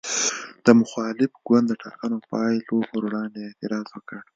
د مخالف ګوند د ټاکنو پایلو پر وړاندې اعتراض وکړ.